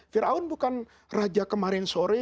fir'aun bukan raja kemarin sore